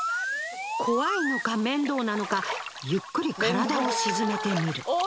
怖いのか面倒なのかゆっくり体を沈めてみる。